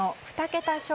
２桁